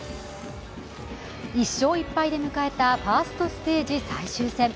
１勝１敗で迎えたファーストステージ最終戦。